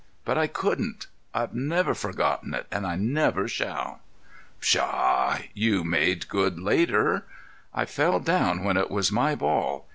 But I couldn't. I've never forgotten it, and I never shall." "Pshaw! You made good later." "I fell down when it was my ball.